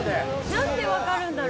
なんでわかるんだろう？